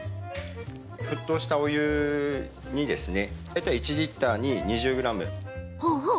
沸騰したお湯にですね大体１リットルに２０ｇ。